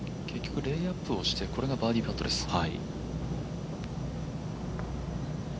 結局、レイアップをしてこれがバーディーパットです。